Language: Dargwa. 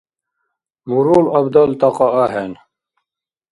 Мурул абдал тӀакьа axӀeн.